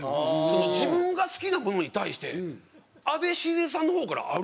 自分が好きなものに対してあべ静江さんの方から歩いてきてるんですよ。